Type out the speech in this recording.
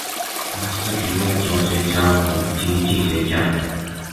他是一位哲学家和经济学家。